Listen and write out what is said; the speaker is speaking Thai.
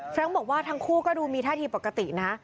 รงค์บอกว่าทั้งคู่ก็ดูมีท่าทีปกตินะ